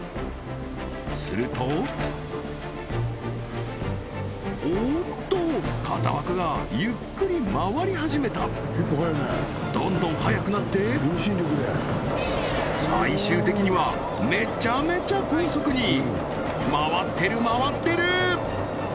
するとおっと型枠がどんどん速くなって最終的にはめちゃめちゃ高速に回ってる回ってる！